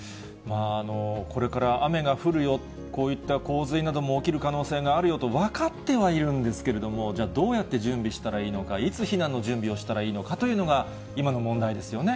これから雨が降るよ、こういった洪水なども起きる可能性があるよと分かってはいるんですけれども、じゃあ、どうやって準備したらいいのか、いつ避難の準備をしたらいいのかというのが今の問題ですよね。